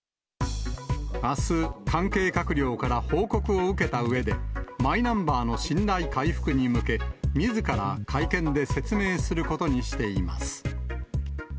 あす、関係閣僚から報告を受けたうえで、マイナンバーの信頼回復に向け、みずから会見で説明することにしています。